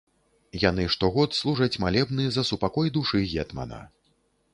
Яны штогод служаць малебны за супакой душы гетмана.